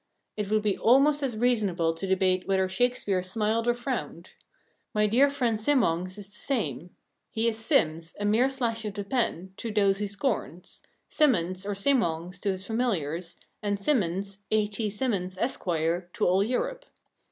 It would be almost as reasonable to debate whether Shakespeare smiled or frowned. My dear friend Simmongues is the same. He is "Sims," a mere slash of the pen, to those he scorns, Simmonds or Simmongs to his familiars, and Simmons, A.T. Simmons, Esq., to all Europe.